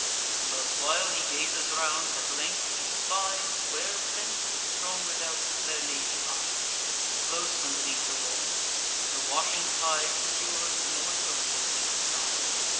Thus while he gazes round, at length he spies, Where, fenc'd with strong redoubts, their navy lies, Close underneath the walls; the washing tide Secures from all approach this weaker side.